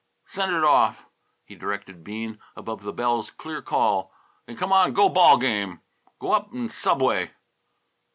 "Send it off," he directed Bean above the bell's clear call. "Then c'mon; go ball game. G'wup 'n subway."